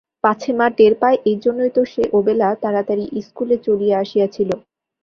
পাছে মা টের পায় এই জন্যই তো সে ওবেলা তাড়াতাড়ি স্কুলে চলিয়া আসিয়াছিল!